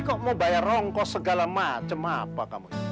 kok mau bayar ongkos segala macem apa kamu